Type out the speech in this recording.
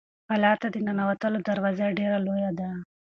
کلا ته د ننوتلو دروازه ډېره لویه ده.